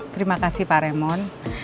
terima kasih pak remon